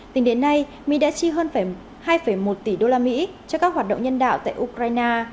tính đến nay mỹ đã chi hơn hai một tỷ usd cho các hoạt động nhân đạo tại ukraine